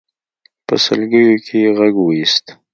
په سلګيو کې يې غږ واېست.